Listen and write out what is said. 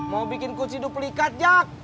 mau bikin kuci duplikat jak